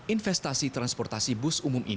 investasi transportasi tersebut